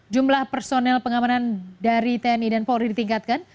jumlah personel pengamanan dari tni dan polri ditingkatkan